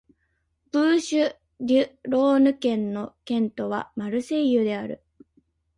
ブーシュ＝デュ＝ローヌ県の県都はマルセイユである